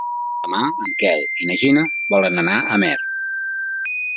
Demà en Quel i na Gina volen anar a Amer.